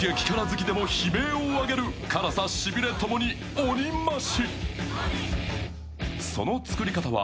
激辛好きでも悲鳴を上げる辛さ、しびれ共に鬼増し。